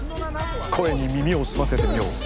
声に耳を澄ませてみよう。